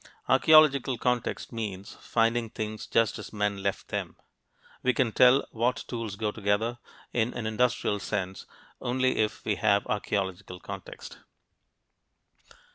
Archeological context means finding things just as men left them. We can tell what tools go together in an "industrial" sense only if we have archeological context.